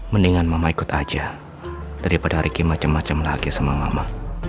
mendingan mama ikut aja daripada reki macem macem lagi sama mama